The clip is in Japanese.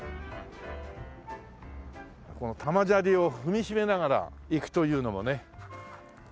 この玉砂利を踏みしめながら行くというのもね。